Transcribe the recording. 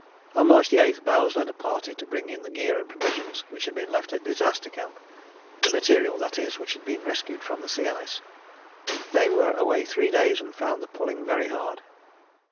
On March 8 Bowers led a party to bring in the gear and provisions which had been left at Disaster Camp, the material, that is, which had been rescued from the sea ice. They were away three days and found the pulling very hard.